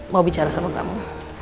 mau bicara sama kamu